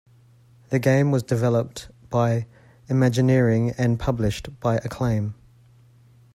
The game was developed by Imagineering and published by Acclaim.